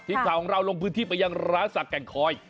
ทีมข่าวของเราลงพื้นที่ไปยังร้านสักแก่งคอย